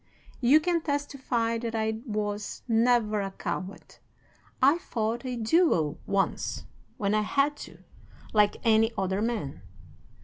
"'You can testify that I was never a coward. I fought a duel once, when I had to, like any other man.